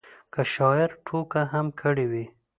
که شاعر ټوکه هم کړې وي.